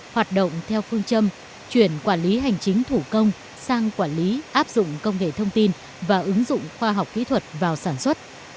hoạt động theo phương châm chuyển quản lý hành chính thủ công sang quản lý áp dụng công nghệ thông tin và ứng dụng khoa học kỹ thuật vào sản xuất